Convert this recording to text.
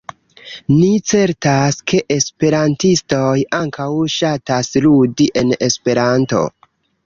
Ni certas, ke esperantistoj ankaŭ ŝatas ludi en Esperanto!